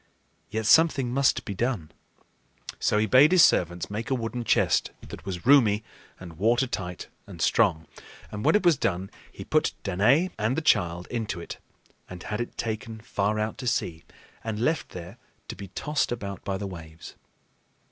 Yet something must be done. So he bade his servants make a wooden chest that was roomy and watertight and strong; and when it was done, he put Danaë and the child into it and had it taken far out to sea and left there to be tossed about by the waves.